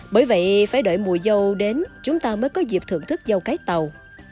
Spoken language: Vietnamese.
bởi vậy phải đợi mùa dâu đến chúng ta mới có dịp thưởng thức dâu cái tàu